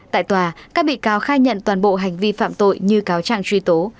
tại tòa các bị cáo khai nhận toàn bộ hành vi phạm tội như cáo trạng truy tố